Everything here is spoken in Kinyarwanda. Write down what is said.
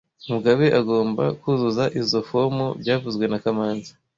Mugabe agomba kuzuza izoi fomu byavuzwe na kamanzi